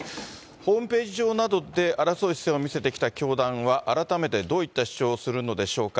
ホームページ上などで争う姿勢を見せてきた教団は、改めてどういった主張をするのでしょうか。